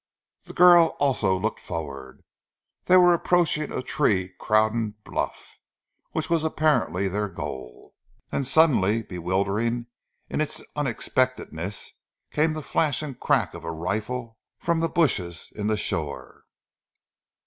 The girl also looked forward. They were approaching a tree crowned bluff, which was apparently their goal. Then suddenly, bewildering in its unexpectedness, came the flash and crack of a rifle from the bushes in shore.